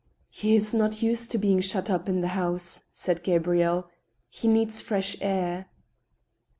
" He is not used to being shut up in the house," said Gabrielle ;" he needs fresh air.'